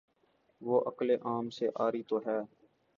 وہ عقل عام سے عاری تو ہے۔